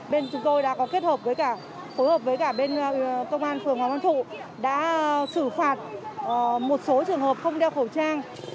bên chúng tôi đã có kết hợp với cả phối hợp với cả bên công an phường hoàng văn thụ đã xử phạt một số trường hợp không đeo khẩu trang